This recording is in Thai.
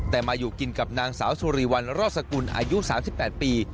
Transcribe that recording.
แต่มาอยู่กินกับนางสาวสุรีวันรอดสกุลอายุ๓๘ปี